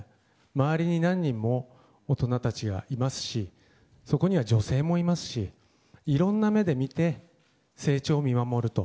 周りに何人も大人たちがいますしそこには女性もいますしいろんな目で見て成長を見守ると。